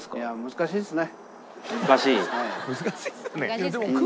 難しいっすね。